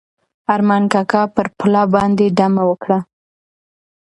ارمان کاکا پر پوله باندې دمه وکړه.